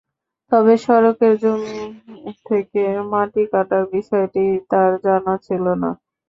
তবে সড়কের জমি থেকে মাটি কাটার বিষয়টি তাঁর জানা ছিল না।